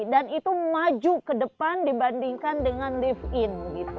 dan itu maju ke depan dibandingkan dengan live in